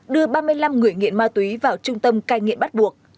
đưa ba mươi năm người nghiện ma túy vào trung tâm cai nghiện bắt buộc